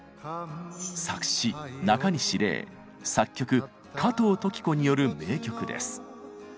作詞なかにし礼作曲加藤登紀子による名曲です。